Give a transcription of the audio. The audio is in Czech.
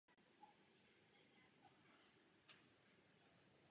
Barva stuhy byla tmavě červená.